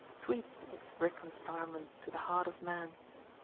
Sweet is reconcilement to the heart of man.